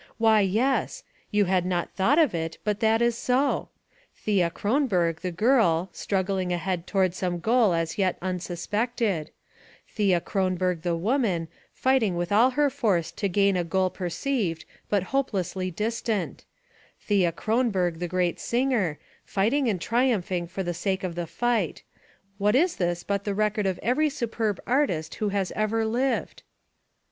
Why, yes; you had not thought of it but that is so! Thea Kronberg the girl, strug gling ahead toward some goal as yet unsuspected ; Thea Kronberg the woman, fighting with all her force to gain a goal perceived but hopelessly distant; Thea Kronberg the great singer, fighting and triumphing for the sake of the fight what is this but the record of every superb artist who has ever lived?